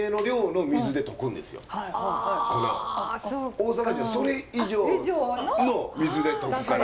大阪人はそれ以上の水で溶くから。